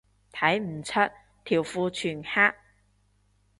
睇唔出，條褲全黑